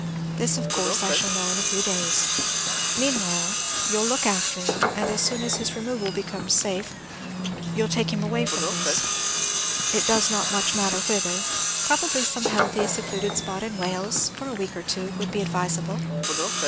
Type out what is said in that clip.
This, of course, I shall know in a few days. Meanwhile you 'll look after him, and as soon as his removal becomes safe you 'll take him away from this, it does not much matter whither; probably some healthy, secluded spot in Wales, for a week or two, would be advisable.